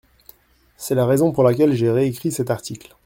C’est la raison pour laquelle j’ai réécrit cet article.